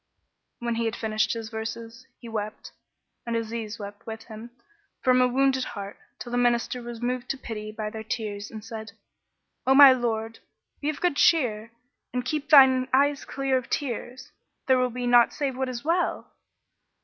When he had finished his verses, he wept (and Aziz wept with him) from a wounded heart, till the Minister was moved to pity by their tears and said, "O my lord, be of good cheer and keep thine eyes clear of tears; there will be naught save what is well!"